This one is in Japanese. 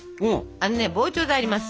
あのね膨張剤あります。